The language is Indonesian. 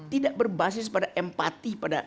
tidak berbasis pada empati pada